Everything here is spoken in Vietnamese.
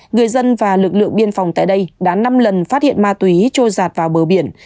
người dân và lực lượng biên phòng tại đây đã năm lần phát hiện ma túy trôi giạt vào bờ biển